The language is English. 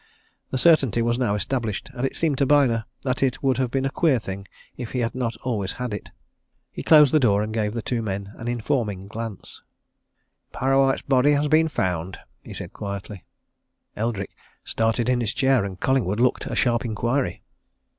The certainty was now established, and it seemed to Byner that it would have been a queer thing if he had not always had it. He closed the door and gave the two men an informing glance. "Parrawhite's body has been found," he said quietly. Eldrick started in his chair, and Collingwood looked a sharp inquiry.